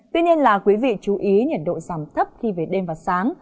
tuy nhiên là quý vị chú ý nhiệt độ giảm thấp khi về đêm và sáng